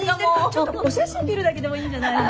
ちょっとお写真見るだけでもいいんじゃないの。